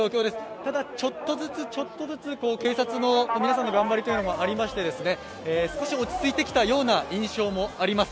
ただちょっとずつ、ちょっとずつ警察の皆さんの頑張りというのもありまして少し落ち着いてきたような印象もあります。